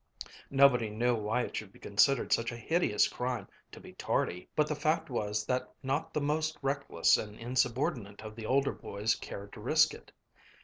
Nobody knew why it should be considered such a hideous crime to be "tardy," but the fact was that not the most reckless and insubordinate of the older boys cared to risk it.